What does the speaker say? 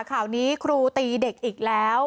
ข่าวนี้ครูตีเด็กอีกแล้ว